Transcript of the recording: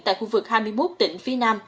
tại khu vực hai mươi một tỉnh phía nam